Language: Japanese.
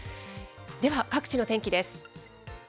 では、各地の天気です。